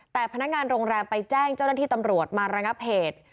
แต่พนักงานโรงแรมไปแจ้งเจ้าหน้าที่ตำรวจมาระงับเหตุ